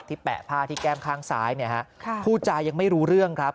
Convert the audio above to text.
ที่แปะผ้าที่แก้มข้างซ้ายผู้จ่ายยังไม่รู้เรื่องครับ